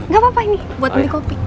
gak apa apa ini buat beli kopi